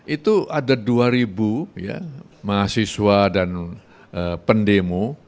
itu ada dua ribu mahasiswa dan pendemo